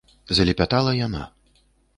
- залепятала яна.